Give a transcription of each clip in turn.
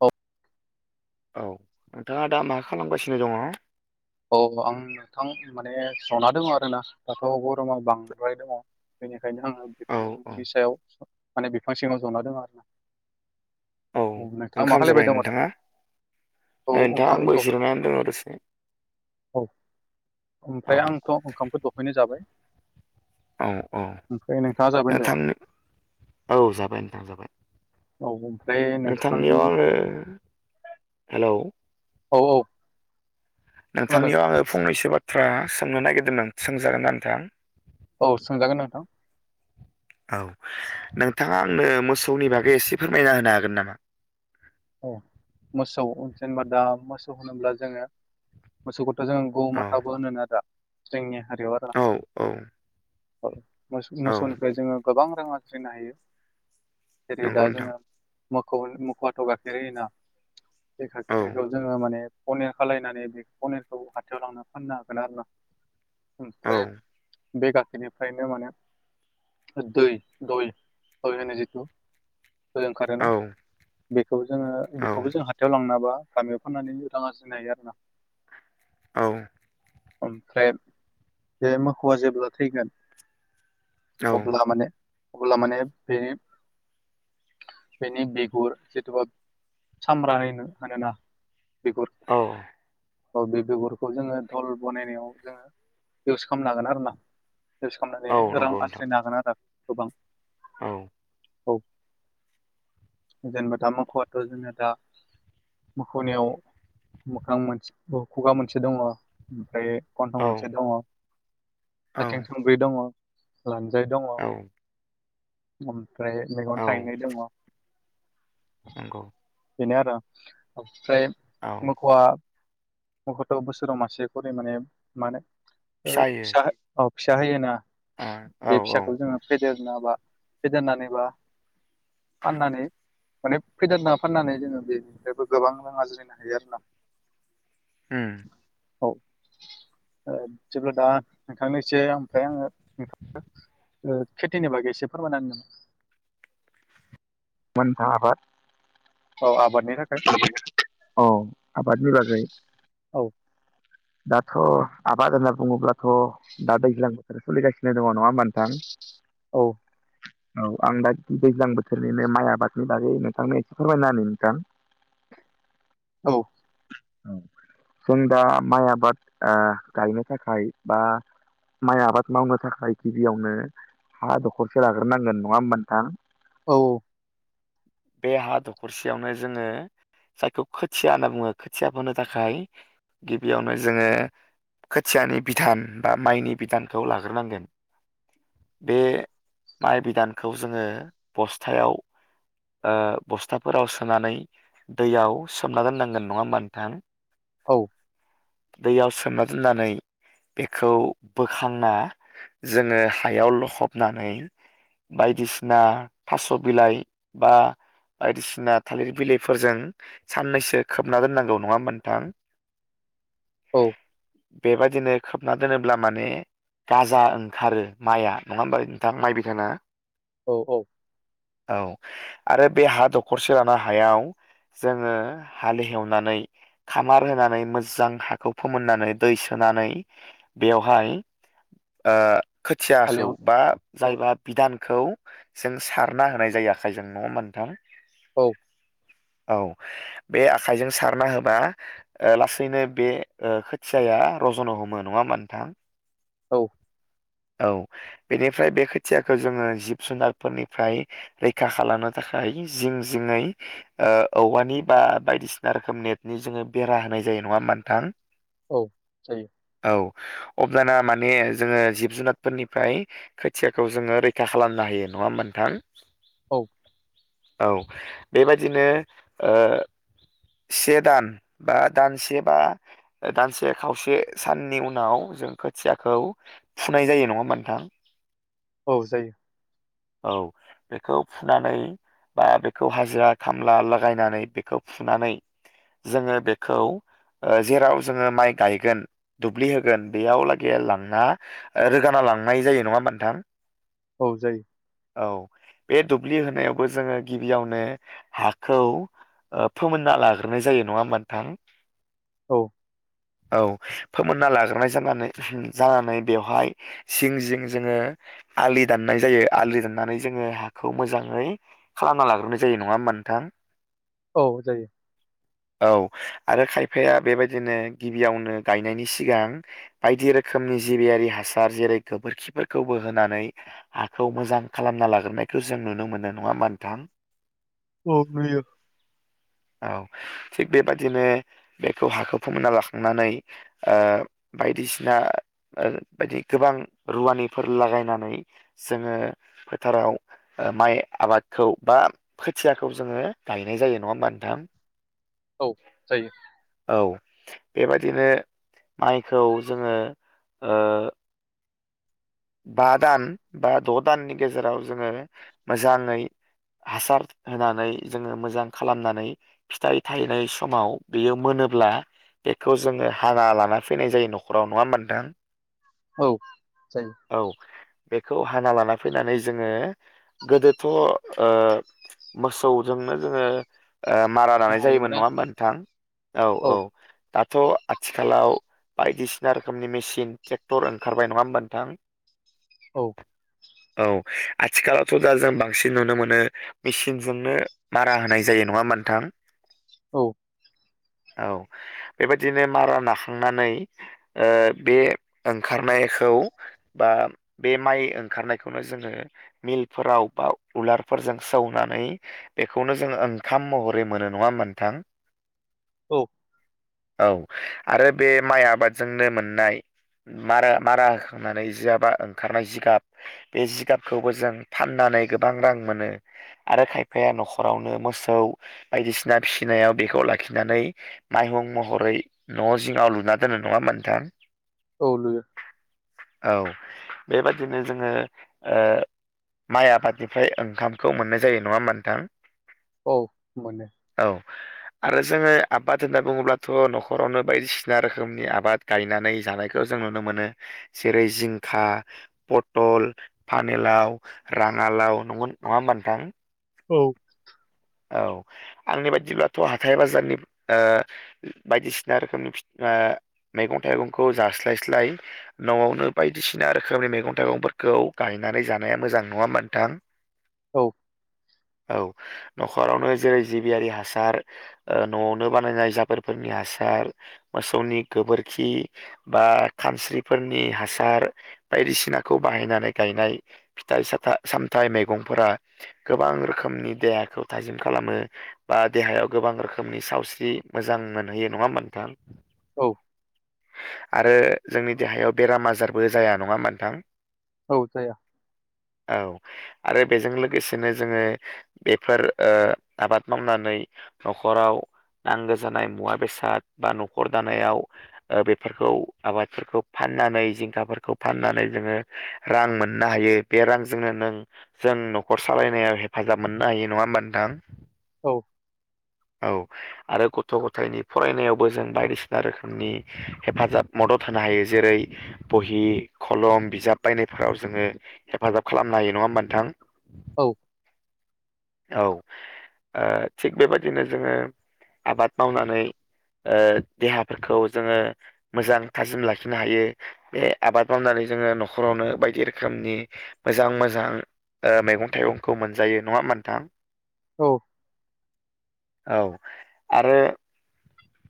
औ। औ नोंथांङा दा मा खालामगासिनो दंङ? औ आं नोंथां माने जना दंङ आरोना दाथ' गरमा बांद्राय दंङ। बेनिखायनो आंङो औ औ बिफांनि सायाव माने बिफां सिंङाव जना दों आरोना औ नोंथांङा मा ओंखाम खालायबाय जाबाय दंङ' दा नोंथाङा? औ नै नोंथां ओंखाम दौ [unintelligible] औ औ ओमफ्राय आंथ' ओंखामखौ दहायनो जाबाय। औ औ ओमफ्राय नोंथांङा जाबायानो दे नोंथांनो औ जाबाय नोंथां जाबाय औ ओमफ्राय नोंथां नोंथांनियाव आंङो हेलौ औ औ खोनादों नोंथांनियाव आङो फंनैसो बाथ्रा सोंनो नागिरदोंमोन सोंजागोन ना नोंथां? औ सोंजागोन नोंथां। औ नोंथाङा आंनो मोसौनि बागै एसे फोरमायना होनो हागोन नामा? औ मोसौ जेनेबा दा मोसौ होनोब्ला जोङो मोसौखौथ' जों औ गौमाथाबो होनोनो आरो जोंनि हारियाव आरो औ औ औ मो-मोसौनिफ्राय जोङो गोबां रां आरजिनो हायो। जेरै दा नंगौ नोंथां जोंङो मोखौ मोखौआथ' गाइखेर होयोना बे औ गाखिरखौ जोंङो माने पनिर खालायनानै बे पनिरखौ हाथायाव लांनो फाननो हागोन आरो ना औ ओमफ्राय बे गाखिरनिफ्रायनो माने दै दय दय होनो जिथु दय ओंखारो औ ना बेखौ जोंङो औ बेखौबो जों हाथायाव लांनाबा गामियाव फाननानै रां आरजिनो हायो आरोना औ। ओमफ्राय बे मोखौवआ जेब्ला थैगोन औ अब्ला माने अब्ला माने बेनि बेनि बिगुर जेथ'बा सामब्र होनोना बिगुर। औ। औ बे बेगरखौ जोङो धल बानायनायाव जोङो इउस खालामनो हागोन आरो ना। रिलस खालामनानै औ रां नंगौ नोंथां आरजिनो हागोन आरो गोबां। औ। औ जोङो दा मखबाथ' जोङो दा मख'नायाव मोखां मोन [unintelligible] खुगा मोनसे दङ ओमफ्राय गन्थं औ मोनसे दङें औ थों ब्रै दङ लान्जाय दङ। औ ओमफ्राय मैगं थायनाय दङ नंगौ बेनो आरो ओमफ्राय औ मोखौआ मखआथ' बोसोराव मासे खरि माने मानो जायो फिसा औ फिसा होयोना ओ औ बे औ फिसाखौ जोङो फेदेरनो बा फेदेरनानैबा फाननानै माने फैदार ना फाननानै जोङो बेनिफ्रायबो गोबां रां आजिरायनो हायो आरो ना। ओम। औ। जेब्ला दा नोंथांनोसै ओमफ्राय आङो नथां ओ खेथिनि बागै एसे फोरमायना होनो नामा? मोनफा आबाद औ आबादनि थाखाय औ आबादनि बागै। औ। दाथ' आबाद होनना बुङोब्लाथ' दा दैज्लां बोथोर सोलिगासिनो दङ नङा होनोमा नोंथां? औ। [inaudible] औ आं दा दैज्लां बोथोरनिनो माइ आबादनि बागै नोंथांनो एसे फोरमायना होनि नोंथां। [inaudible] औ। औ। जों दा माइ आबाद गायनो थाखाय बा माइ आबाद मावनो थाखाय गिबियावनो हा दखरसे लाग्रोनांगोन नङा होमबा नोंथां? औ। [inaudible] बे हा दखरसेयावनो जोङो जायखौ खोथिया होनना बुङो खोथिया फोनो थाखाय गिबियावनो जोङो खोथियानि बिान बा माइनि बिधानखौ लाग्रोनांगोन। बे माइ बिदानखौ जोङो बस्थायाव बस्थाफोराव सोनानै दैयाव सोमना दोननांगोन नङा होमबा नोंथां? औ। दैयाव सोमना दोननानै बेखौ बोखांना जोङो हायाव लखबनानै बायदिसिना थास' बिलाइ बा बायदिसिना थालिर बिलाइफोरजों साननैसो खोबना दोननांगौ नङा होमबा नोंथां? [inaudible] औ। बेबायदिनो खोबना दोनोब्ला माने गाजा ओंखारो माइआ नङा होमबा नोंथां माइ बिखायनो औ औ। औ। आरो बे हा दखरसे ला हायाव जोङो हालेेवनानै खामार होनानै मोजां हाखौ फोमोननानै दै सोनानै बेवहाय ओ खोथियाखौ हालेव बा औ जायबा बिदानखौ जों सारना होनाय जायो। खाइजों नङा होनबा नोंथां? औ। औ बे आखाइजों सारना होबा लासैनो बे खोथियाया रज'नो हमो नङा होमबा नोंथां? औ। औ बेनिफ्राय बे खोथियाखौ जोङो जिब जुनारफोरनिफ्राय रैखा खालामनो थाखाय जिं जिङै औवानि बा बायदिसिना रोखोम नेटनि जोङो बेरा होनाय जायो नङा होमबा नोंथां? औ जायो। औ अब्लाना माने जोङो जिब जुनारफोरनिफ्राय खोथियाखौ जोङो रैखा खालामनो हायो नङा होमबा नोंथां? औ। औ बेबादिनो ओ से दान बा दानसे बा दानसे खावसे साननि उनाव जों खोथियाखौ फुनाय जायो नङा होमबा नोंथां? औ जायो। औ बेखौ फुनानै बा बेखौ हाजिरा खामला लागायनानै बेखौ फुनानै जोङो बेखौ जेराव जोङो माइ गायगोन। दुब्लि होगोन बेयाव लागै लांना रोगाना लांनाय जायो नङा होमबा नोंथां। औ जायो। औ बे दुब्लि होनायावबो जोङो गिबियावनो हाखौ फोमोनना लाग्रोनाय जायो नङा होमबा नोंथां। औ। औ फोमोनना लाग्रोनाय जानानै जानानै बेवहाय जिं जिं जोङो आलि दाननाय जायो। आलि दाननानै जोङो हाखौ मोजाङै खालामना लाग्रोनाय जायो नङा होमबा नोंथां? औ जायो। औ आरो खायफाया बेबायदिनो गिबियावनो गायनायनि सिगां बायदि रोखोमनि जिबियारि हासार जेरै गोबोरखिफोरखौबो होनानै हाखौ मोजां खालामना लाग्रोनायखौ जों नुनो मोननाय नङा होमबा नोंथां औ नुयो। औ थिग बेबदिनो बेखौ हाखौ फोमोनना लाखांनानै ओ बायदिसिना ओ बायदि गोबां रुवानिफोर लागायनानै जोङो फोथाराव ओ माइ आबादखौ बा खोथियाखौ जोङो गायनाय जायो नङा होमबा नोंथां [inaudible] औ जायो। औ बेबायदिनो माइखौ जोङो ओ बा दान बा द' दाननि गेजेराव जोङो मोजाङै हासार होनानै जोङो मोजां खालामनानै फिथाइ थायनाय समाव बेयो मोनोब्ला बेखौ जोङो हाना लाना फैनाय जायो न'खराव नङा होमबा नोंथां औ जायो औ बेखौ हाना लाना फैनानै जोङो गोदोथ' ओ मोसौजोंनो जोङो ओ मारा दानाय जायोमोन हायोमोन नङा आरो होमबा नोंथां औ औ दाथ' आथिखालाव बायदिसिना रोखोमनि मेसिन ट्रेक्टर ओंखारबाय नङा होमबा नोंथां औ औ आथिखालावथ' दा जों बांसिन नुनो मोनो मेचिनजोंनो मारा होनाय जायो नङा होमोनथां औ औ बेबायदिनो मारा नाखांनानै ओ बे ओंखारनायखौ बा बे माइ ओंखारनायखौनो जोङो मिलफोराव बा उलारफोरजों सौनानै बेखौनो जों ओंखाम महरै मोनो नङा मोनथां औ औ आरो बे माइ आबादजोंनो मोननाय मारा मारा होखांनानै जियाबा ओंखारनाय जिगाब बे जिगाबखौबो जों फाननानै गोबां रां मोनो आरो खायफाया न'खरावनो मोसौ बायदिसिना फिसिनायाव बेखौ लाखिनानै माइहुं महरै न' जिङाव लुना दोनो नङामोनोंथां औ लुज औ बेबादिनो जोङो माइ आबादनिफ्राय ओंखामखौ मोननाय जायो नङा होमा नोंथां औ मोनो औ आरो जोङो आबाद होनना बुङोब्लाथ' न'खरावनो बायदिसिना रोखोमनि आबाद गायनानै जानायखौ जों नुनो मोनो जेरै जिंखा पटल पानिलाव राङालाव नग नङा होमबा नोंथां औ औ आंनि बाददिब्लाथ' हाथाइ बाजारनि बायदिसिना रोखोमनि मैगं थाइगंखौ जास्लायस्लाय न'आवनो बायदिसिना रोखोमनि मैगं थाइगंफोरखौ गायनानै जानाया मोजां नङाम मोनोनथां [inaudible] औ औ न'खरावनो जेरै जिबियारि हासार ओ न'आवनो बानायनाय जाबोरदफोरनि हासार मोसौनि गोबोरखि बा खानस्रिफोरनि हासार बायदिसिनाखौ बाहायनानै गायनाय फिथाइ सथ सामथाइ मैगंफोरा गोबां रोखोमनि देहाखौ थाजिम खालामो बा देहायाव गोबां रोखोमनि सावस्रि मोजां मोनहैयो नङा होमबा नोंथां औ आरो जोंनि देहायाव बेराम आजारबो जाया नङा मोनथां औ जाया औ आरो बेजों लोगोसेनो जोङो बेफोर ओ आबाद मावनानै न'खराव नांगौ जानाय मुवा बेसाद बा न'खर दानायाव ओ बेफोरखौ आबादफोरखौ फाननानै जिंखाफोरखौ फाननानै जोङो रां मोननो हायो बे रांजोंनो नों जों न'खर सालायनायाव हेफाजाब मोननो हायो नङा होमबा नोंथां औ औ आरो गथ' गथायनि फरायनायावबो जों बायदिसिना रोखोमनि हेफाजाब मदद होनो हायो। जेरै बहि खलम बिजाब बायनायफोराव जोङो हेफाजाब खालामनो हायो। नङा होमबा नोंथां। औ। औ थिग बेबायदिनो जोङो आबाद मावनानै देहाफोरखौ जोङो मोजां थाजिम लाखिनो हायो। बे आबाद मावनानै जोङो न'खरावनो बायदि रोखोमनि मोजां मोजां मैगं थाइगंखौ मोनजायो नङा होमथां औ। औ आरो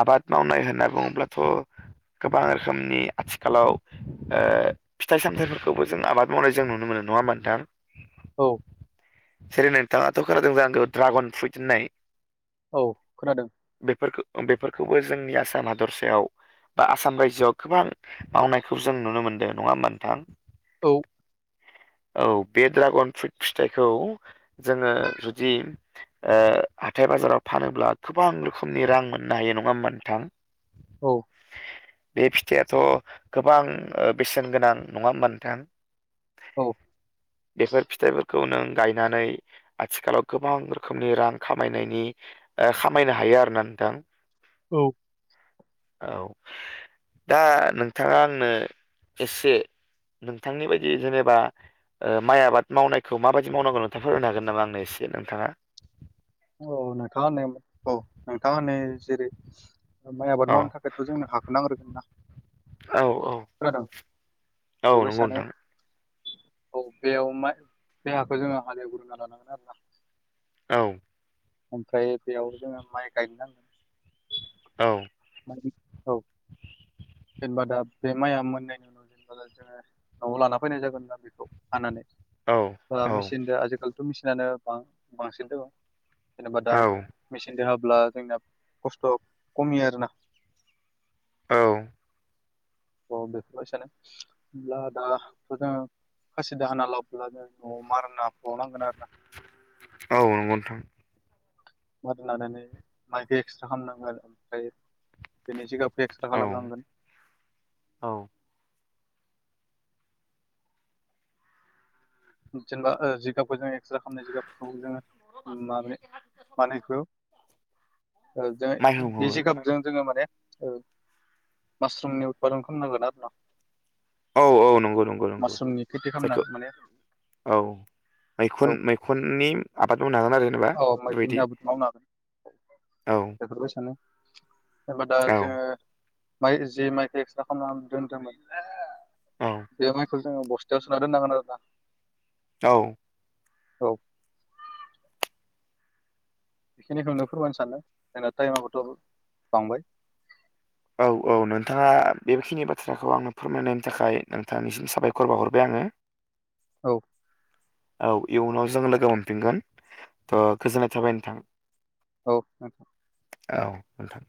आबाद मावनाय होनना बुङोब्लाथ' गोबां रोखोमनि आथिखालाव फिथाइ सामथायाइफोरखौबो जों आबाद मावनाय जों नुनो मोनो नङाहोनब्ला नोंथां। औ। जेरै नोंथाङाथ' खोनादों ज आंखौ ड्रागन फुइट होननाय औ खोनादों बेफोरखौबो जोंनि आसाम हादरसायाव बा आसाम रायजोआव गोबां मावनायखौ जों नुनो मोनदों नङा होमा नोंथां। औ। औ बे ड्रागन फ्रुइट फिथाइखौ जोङो जुदि हाथथाय बाजाराव फानोब्ला गोबां रोखोमनि रां मोननो हायो नङा हैनबा नोंथां। औ। बे फिथाइआाथ' गोबां बेसेन गोनां नङा होनबा नोंथां। [inaudible] औ। बेफोर फिथाइफोरखौ नों गायनानै आथिखालाव गोबां रोखोमनि रां खामायनायनि खामायनो हायो। आर ना नोंथां औ औ दा नोंथाङा आंनो एसे नोंथांनि बायदि जेनेबा माइ आबाद मावनायखौ माबायदि मावनांगौ नोंथाङा फोररायनो हागोन नामा आंनो एसे नोंथाङा? औ नोंथाङा होननाय औ नोंथाङा होनै जेरै माइ आबाद औ मावनो थाखायथ' जोंनो हाखखौ नांग्रोगोन ना औ औ खोनादों औ बेबो नंगौ सानो नोंथां। औ बेयाव मा बे हाखौ जोङो हालेव गुरुंना लानांगोन आरोोना। औ। ओफ्रायाय बेयावनो माइगायनाय औ। ओम औ। जेनेबा दा बे माइया मोननायनि उनाव जेनेबा दा जोङो न'आव लाना फैनाय जागोन ना बेखौ हानानै औ ओ औ मेचिनजों आजिखालिथ' मेसििनानो बांसिन दङ'। जेनेबा दा औ मेचिनजों होाब्ला जोंना खस्थ' खमि आरोना। औ। औ बेखौलस [unintelligible] [unintelligible] खस दाहान लाबो न मारना फ नांगोना औ नंगौ नोथां मोरै लानानै माबदि एक्सट्रा खालामामनांगो आरो ओमफाय बेनि सिगाबखौ एक्सर्रा औ खालामनांगोन औ। जेनेबा ओ जिगाबखौ जों एक्सरे खालामनाय जिगाबखौ जोङो माबे मानेबेखौ ओ जों माइहुं बे हुङो जिगाबजों जोङो माने औ मासरुमनि उतपादन खालामनांगोन आरो ना। औ औ नंगौ नंगौ नंगौ मासरुमनि खेथि जायखौ खालामनांगोन माने औ मैखुन औ मैखुननि आबाद मावनो हागोन आरो जेनेबा औ बेबायदि मैगुननि आाबो मावनो हागोन औ बेफोरबाय सानो जेनबा दा औ जोङो माइ जे माइखौ एक्स्रा खालामनानै दोनदोंमोन औ बेयावहाय ख बस्थायाव सोना दोननांगोन आरो दा औ औ बेखिनिखौनो फोरमायनो सानो जोंना टाइमाखौथ' बांबाय औ औ नोंथाङा बेखिनि बाथ्राखौ आंनो फोरमायनायनि थाखाय नोंथांनिसिम साबायखर बावहरबाय आङो [inaudible] औ औ इयुनाव जों लोगो मोनफिनगोन थ' गोजोननाय थाबाय नोंथां औ औ नोंथां।